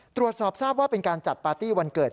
ตรวจสอบทราบว่าเป็นการจัดปาร์ตี้วันเกิด